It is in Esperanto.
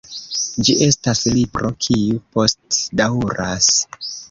Ĝi estas libro kiu postdaŭras.